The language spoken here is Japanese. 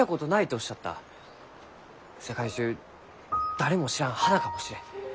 世界中誰も知らん花かもしれん。